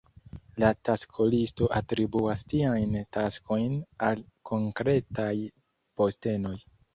La taskolisto atribuas tiajn taskojn al konkretaj postenoj.